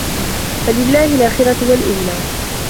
فَلِلَّهِ الآخِرَةُ وَالأولى